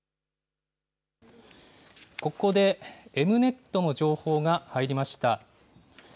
ここでＥｍ−Ｎｅｔの情報が入りました。